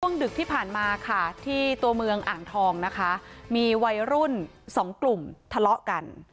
ดึกที่ผ่านมาค่ะที่ตัวเมืองอ่างทองนะคะมีวัยรุ่นสองกลุ่มทะเลาะกัน